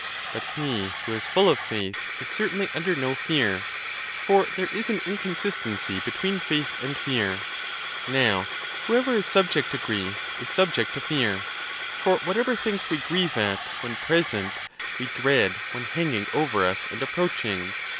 But he who is full of faith is certainly un der no fear; for there is an inconsistency between faith and fear. Now, whoever is subject to grief is subject to fear; for whatever things we grieve at when present we dread when hanging over us and approaching.